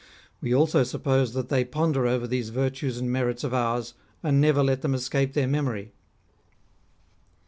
We also suppose that they ponder over these virtues and merits of ours, and never let them escape their memory.